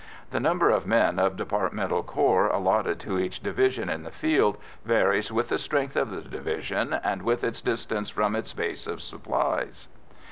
The number of men of departmental corps allotted to each division in the field varies with the strength of the division and with its distance from its base of supplies.